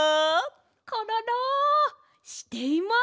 コロロしています！